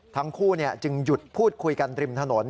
ทั้งคู่จึงหยุดพูดคุยกันริมถนน